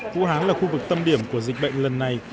vũ hán là khu vực tâm điểm của dịch bệnh lần này